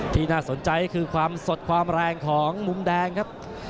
ที่น่าสนใจก็คือความสดความแรงของมุมแดงครับ